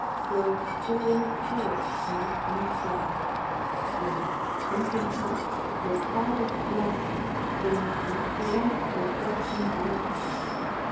Till Stirling's turrets melt in sky; Then, sunk in copse, their farthest glance Gained not the length of horseman's lance.